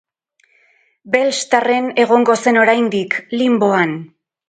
Belstarren egongo zen oraindik, linboan.